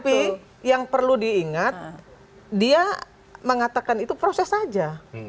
tapi yang perlu diingat dia mengatakan itu proses saja